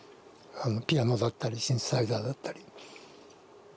ピアノだったりシンセサイザーだったり。